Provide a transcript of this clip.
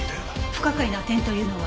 不可解な点というのは？